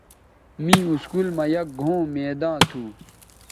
می اسکول مہ یک گھؤں میداں تھو